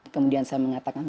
kemudian saya mengatakan